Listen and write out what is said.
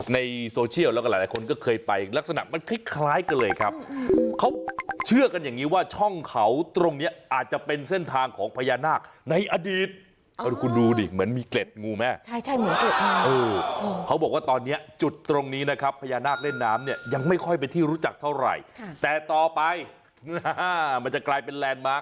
ในโซเชียลแล้วก็หลายคนก็เคยไปลักษณะมันคล้ายคล้ายกันเลยครับเขาเชื่อกันอย่างนี้ว่าช่องเขาตรงเนี้ยอาจจะเป็นเส้นทางของพญานาคในอดีตคุณดูดิเหมือนมีเกล็ดงูแม่ใช่ใช่เหมือนเกร็ดค่ะเออเขาบอกว่าตอนเนี้ยจุดตรงนี้นะครับพญานาคเล่นน้ำเนี่ยยังไม่ค่อยเป็นที่รู้จักเท่าไหร่แต่ต่อไปมันจะกลายเป็นแลนดมาร์